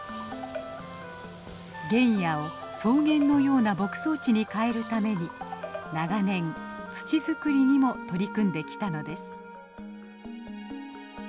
原野を草原のような牧草地に変えるために長年土作りにも取り組んできたのです。